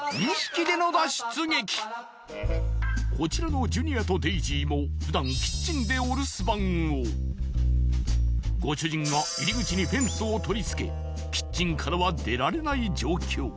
こちらのジュニアとデイジーも普段ご主人が入り口にフェンスを取り付けキッチンからは出られない状況